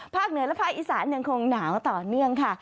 เหนือและภาคอีสานยังคงหนาวต่อเนื่องค่ะ